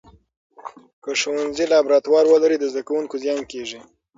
که ښوونځي لابراتوار ولري، د زده کوونکو زیان کېږي.